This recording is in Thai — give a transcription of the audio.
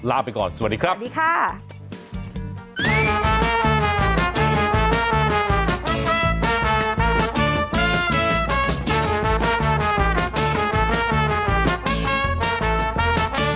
ลาไปก่อนสวัสดีครับสวัสดีค่ะ